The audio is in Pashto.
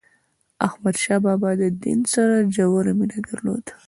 احمد شاه بابا د دین سره ژوره مینه درلوده.